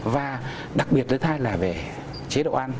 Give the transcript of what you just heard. và đặc biệt thứ hai là về chế độ ăn